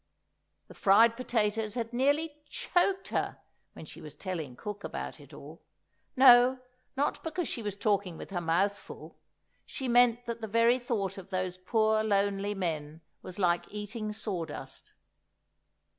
The fried potatoes had nearly choked her, when she was telling cook about it all ... no, not because she was talking with her mouth full; she meant that the very thought of those poor lonely men was like eating sawdust.